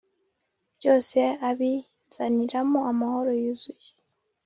Byose abi nzaniramo amahoro yuzuye